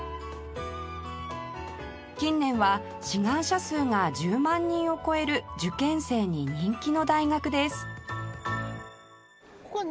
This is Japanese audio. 近年は志願者数が１０万人を超える受験生に人気の大学です